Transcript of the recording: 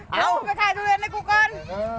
เอากูไปถ่ายทุเรียนให้กูก่อน